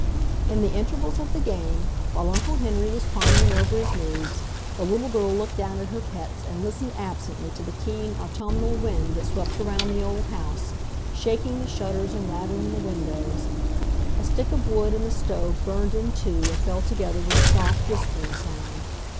In the intervals of the game, while Uncle Henry was pondering over his moves, the little girl looked down at her pets and listened absently to the keen autumnal wind that swept around the old house, shaking the shutters and rattling the windows. A stick of wood in the stove burned in two and fell together with a soft, whispering sound.